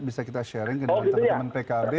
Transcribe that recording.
bisa kita sharing dengan teman teman pkb